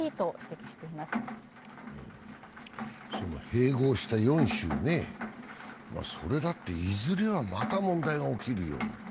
併合した４州ね、それだっていずれはまた問題が起きるよ。